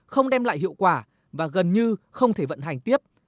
không đem lại hiệu quả và gần như không thể vận hành tiếp